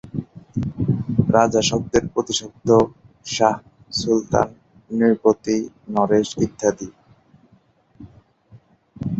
রাজা শব্দের প্রতিশব্দ শাহ, সুলতান, নৃপতি, নরেশ ইত্যাদি।